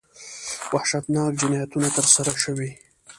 وحشتناک جنایتونه ترسره شوي.